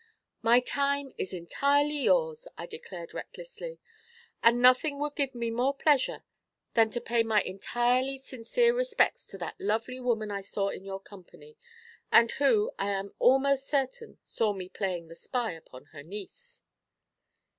'My time is entirely yours,' I declared recklessly, 'and nothing would give me more pleasure than to pay my entirely sincere respects to that lovely woman I saw in your company, and who, I am almost certain, saw me playing the spy upon her niece.'